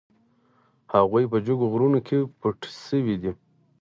هغوی په جګو غرونو کې پټ شوي دي.